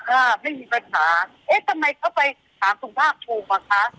เอ๊ะทำไมเขาไปถามส่งภาคภูมิเหรอคะ